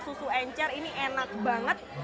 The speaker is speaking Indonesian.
susu encer ini enak banget